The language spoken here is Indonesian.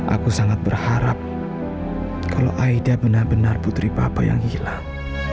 aku sangat berharap kalau aida benar benar putri papa yang hilang